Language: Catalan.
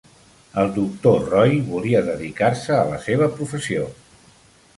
El doctor Roy volia dedicar-se a la seva professió.